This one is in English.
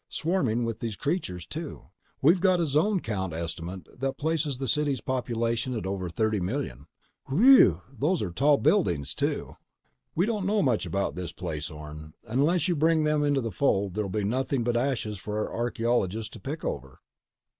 Swarming with these creatures, too. We've got a zone count estimate that places the city's population at over thirty million." "Whee ew! Those are tall buildings, too." "We don't know much about this place, Orne. And unless you bring them into the fold, there'll be nothing but ashes for our archaeologists to pick over."